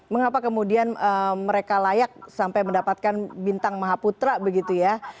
mengapa kemudian mereka layak sampai mendapatkan bintang maha putra begitu ya